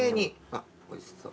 あっおいしそう。